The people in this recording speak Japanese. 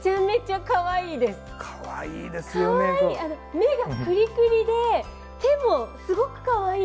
目がくりくりで手もすごくかわいい！